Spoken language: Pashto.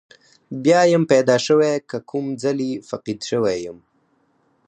بیا یم پیدا شوی که کوم ځلې فقید شوی یم.